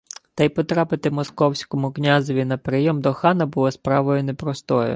Та й потрапити московському князеві на прийом до хана було справою непростою